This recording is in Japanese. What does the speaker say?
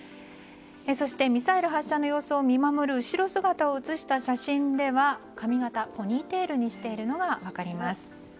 そして、ミサイル発射の様子を見守る後姿を写した写真では、髪形ポニーテールにしているのが分かります。